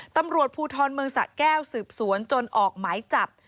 ตำรวจภูทรเมืองสะแก้วสืบสวนจนออกหมายจับ